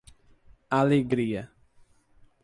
Alegria